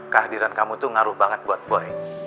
kehadiran kamu tuh ngaruh banget buat boy